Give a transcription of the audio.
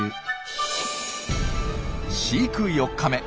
飼育４日目。